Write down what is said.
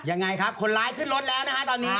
ยังไงครับคนร้ายขึ้นรถแล้วนะฮะตอนนี้